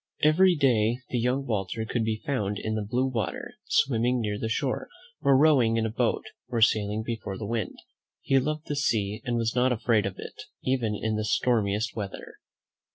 Every day the young Walter could be found in the blue water, swimming near the shore, or rowing in a boat, or sailing before the wind. He loved the sea, and was not afraid of it, even in the stormiest weather.